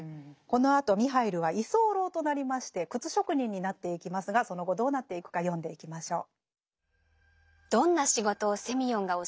このあとミハイルは居候となりまして靴職人になっていきますがその後どうなっていくか読んでいきましょう。